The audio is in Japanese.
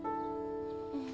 うん。